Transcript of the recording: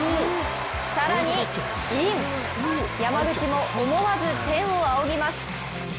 更にイン山口も天を仰ぎます。